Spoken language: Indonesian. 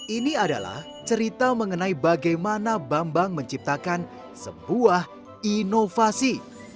ini adalah cerita mengenai bagaimana bambang menciptakan sebuah inovasi